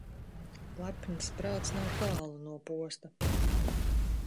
Lepns prāts nav tālu no posta.